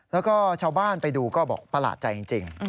แล้วก็ชาวบ้านไปดูก็บอกประหลาดใจจริง